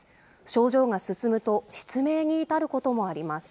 症状が進むと失明に至ることもあります。